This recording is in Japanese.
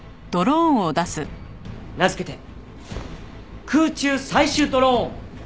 名付けて空中採取ドローン！